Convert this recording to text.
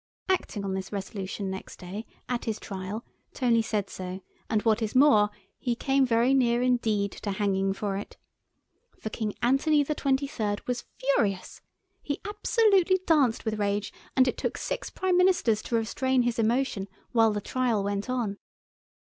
Acting on this resolution next day, at his trial, Tony said so, and what is more, he came very near indeed to hanging for it. For King Anthony XXIII. was furious. He absolutely danced with rage, and it took six Prime Ministers to restrain his emotion while the trial went on.